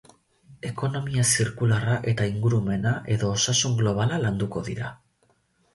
Ekonomia zirkularra eta ingurumena edo Osasun globala landuko dira.